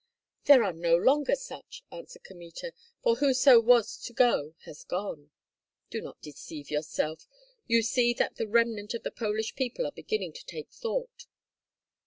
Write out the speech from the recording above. "There are no longer such," answered Kmita, "for whoso was to go has gone." "Do not deceive yourself; you see that the remnant of the Polish people are beginning to take thought."